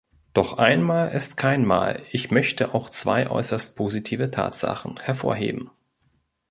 Doch einmal ist kein Mal ich möchte auch zwei äußerst positive Tatsachen hervorheben.